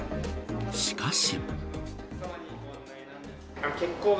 しかし。